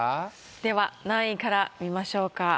では何位から見ましょうか？